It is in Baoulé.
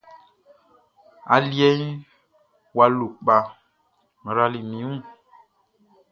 Aliɛʼn wʼa lo kpa, n rali min wun.